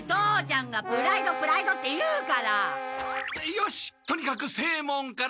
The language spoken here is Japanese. よしとにかく正門から。